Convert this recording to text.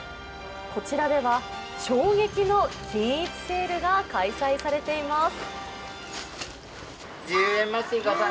こちらでは衝撃の均一セールが開催されています。